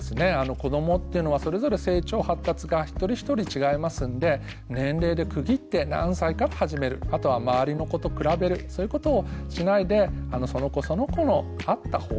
子どもっていうのはそれぞれ成長発達が一人一人違いますんで年齢で区切って何歳から始めるあとは周りの子と比べるそういうことをしないでその子その子に合った方法ですね。